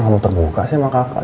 masa kamu terbuka sih sama kakak